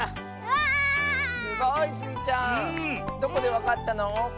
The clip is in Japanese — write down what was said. どこでわかったの？